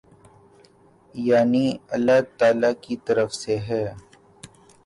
یعنی اﷲ تعالی کی طرف سے ہے۔